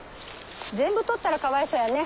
全部採ったらかわいそうやね。